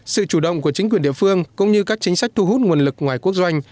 sự chủ động của chính quyền địa phương cũng như các chính sách thu hút nguồn lực ngoài quốc doanh